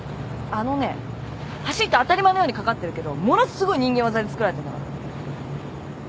あのね橋って当たり前のように架かってるけどものすごい人間業で造られてんだから。